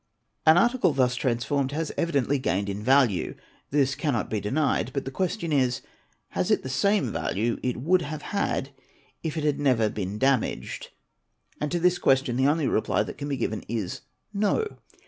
An article thus transformed has evidently gained in value; this cannot be denied, but the gestion is, has it the same value it would haNe had if it had never been damaged ? and, to this question the only reply that can ; be given is: No!